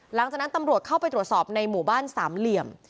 หลังจากนั้นตำรวจเข้าไปตรวจสอบในหมู่บ้านสามเหลี่ยม